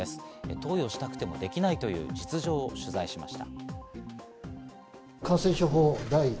投与したくてもできないという実情を取材しました。